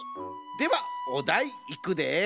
ではおだいいくで！